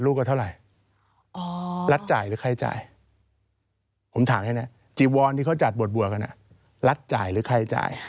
รวมไงแล้วลูกไหนต้องการบาทก็เอาไปซื้อไง